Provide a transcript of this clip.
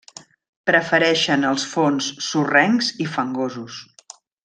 Prefereixen els fons sorrencs i fangosos.